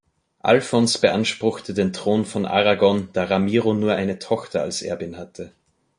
Alfons beanspruchte den Thron von Aragon, da Ramiro nur eine Tochter als Erbin hatte.